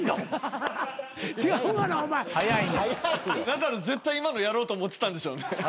ナダル絶対今のやろうと思ってたんでしょうね。